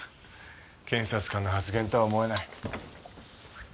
検察官の発言とは思えない。